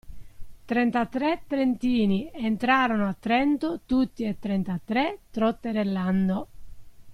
Trentatré trentini entrarono a Trento, tutti e trentatré trotterellando.